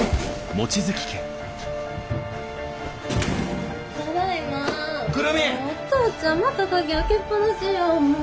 もうお父ちゃんまた鍵開けっ放しやんもう。